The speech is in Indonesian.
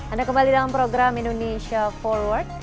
anda kembali dalam program indonesia forward